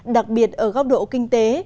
đặc biệt ở góc độ kinh tế